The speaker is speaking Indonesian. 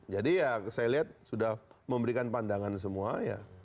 jadi ya saya lihat sudah memberikan pandangan semua ya